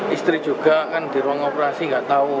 istri juga kan di ruang operasi nggak tahu